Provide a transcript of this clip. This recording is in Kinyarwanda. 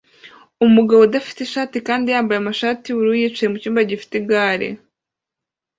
Umugabo udafite ishati kandi yambaye amashati yubururu yicaye mucyumba gifite igare